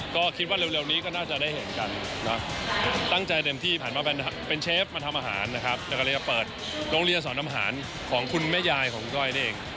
ก็คิดว่าเร็วนี้ก็น่าจะได้เห็นกันนะตั้งใจเต็มที่ผ่านมาเป็นเชฟมาทำอาหารนะครับแล้วก็เลยจะเปิดโรงเรียนสอนดำอาหารของคุณแม่ยายของคุณก้อยนี่เอง